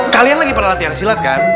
kalian lagi pernah latihan silat kan